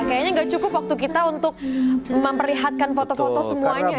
kayaknya nggak cukup waktu kita untuk memperlihatkan foto foto semuanya ya